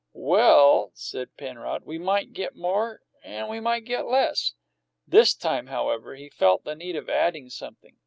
"Well," said Penrod, "we might get more and we might get less." This time, however, he felt the need of adding something.